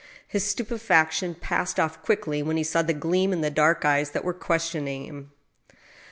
His stupefaction passed off quickly when he saw the gleam in the dark eyes that were ques tioning him.